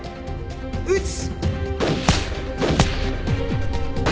撃つ。